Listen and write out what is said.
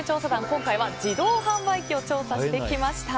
今回は自動販売機を調査してきました。